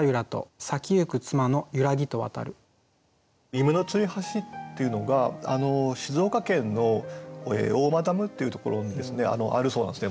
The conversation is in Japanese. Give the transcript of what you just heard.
夢の吊り橋っていうのが静岡県の大間ダムっていうところにあるそうなんですね。